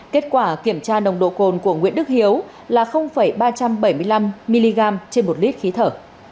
kết quả kiểm tra nồng độ cồn của nguyễn đức hiếu là ba trăm bảy mươi năm mg trên một lít khí thở